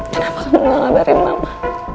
kenapa kamu gak ngabarin mama